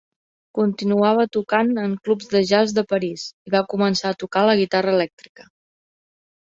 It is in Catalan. Continuava tocant en clubs de jazz de París i va començar a tocar la guitarra elèctrica.